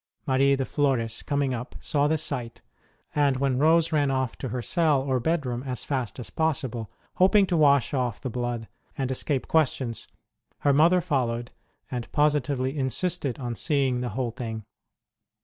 Marie de Flores, coming up, saw the sight ; and when Rose ran off to her cell or bedroom as fast as possible, hoping to wash off the blood and escape questions, her mother followed and positively insisted on seeing the whole thing.